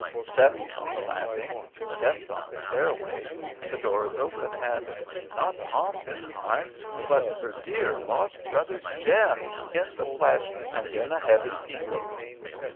Steps on the landing; steps on the stairway, the door is open, and, not Tom this time, but her dear lost brother Jem, in the flesh, and in a heavy pea coat.